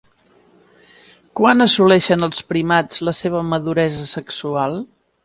Quan assoleixen els primats la seva maduresa sexual?